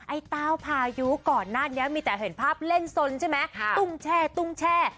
ไอ้เต้าพายุก่อนหน้านี้มีแต่เห็นภาพเล่นสนใช่ไหมตุ้งแช่ตุ้งแช่